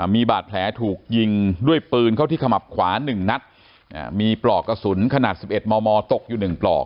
มีบาดแผลถูกยิงด้วยปืนเข้าที่ขมับขวา๑นัดมีปลอกกระสุนขนาด๑๑มมตกอยู่๑ปลอก